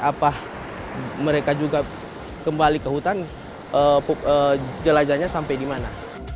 apa mereka juga kembali ke hutan jelajahnya sampai dimana